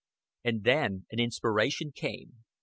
And then an inspiration came.